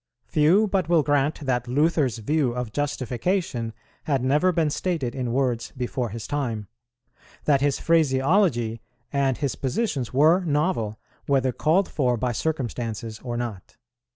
Few but will grant that Luther's view of justification had never been stated in words before his time: that his phraseology and his positions were novel, whether called for by circumstances or not.